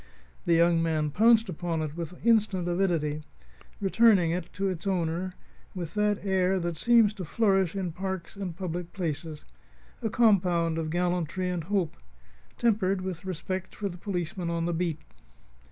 The young man pounced upon it with instant avidity, returning it to its owner with that air that seems to flourish in parks and public places a compound of gallantry and hope, tempered with respect for the policeman on the beat.